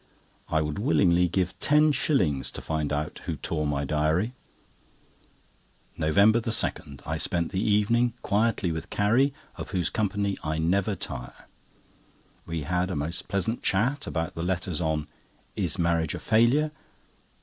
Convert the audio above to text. I would willingly give ten shillings to find out who tore my diary. NOVEMBER 2.—I spent the evening quietly with Carrie, of whose company I never tire. We had a most pleasant chat about the letters on "Is Marriage a Failure?"